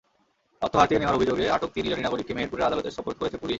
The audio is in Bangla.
অর্থ হাতিয়ে নেওয়ার অভিযোগে আটক তিন ইরানি নাগরিককে মেহেরপুরের আদালতে সোপর্দ করেছে পুলিশ।